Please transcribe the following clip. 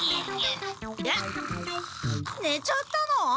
ねちゃったの？